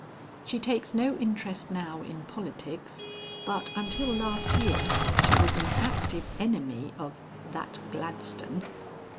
She takes no interest now in politics, but until last year she was an active enemy of "that Gladstone."